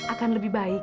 akan lebih baik